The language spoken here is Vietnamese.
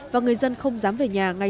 và người dân không dám về nhà